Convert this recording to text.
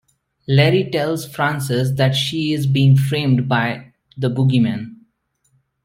Larry tells Frances that she is being framed by the Boogeyman.